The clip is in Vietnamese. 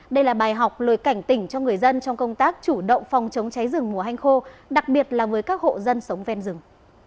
đây là bài học lời cảnh tỉnh cho người dân trong công tác chủ động phòng chống cháy rừng mùa hanh khô đặc biệt là với các hộ dân sống ven rừng